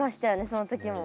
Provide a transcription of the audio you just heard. その時も。